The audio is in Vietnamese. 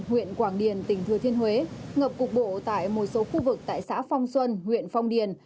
huyện quảng điền tỉnh thừa thiên huế ngập cục bộ tại một số khu vực tại xã phong xuân huyện phong điền